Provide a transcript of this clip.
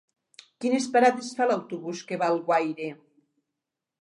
Quines parades fa l'autobús que va a Alguaire?